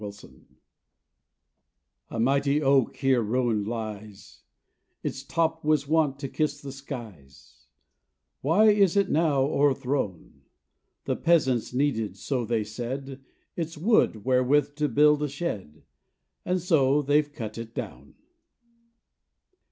SPINOSA. A mighty oak here ruined lies, Its top was wont to kiss the skies, Why is it now o'erthrown? The peasants needed, so they said, Its wood wherewith to build a shed, And so they've cut it down.